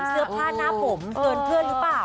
เสื้อผ้าหน้าผมเกินเพื่อนหรือเปล่า